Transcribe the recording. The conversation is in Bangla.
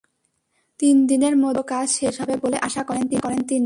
তিন দিনের মধ্যে পুরো কাজ শেষ হবে বলে আশা করেন তিনি।